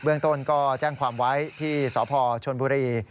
เรื่องต้นก็แจ้งความไว้ที่สพชนบุรี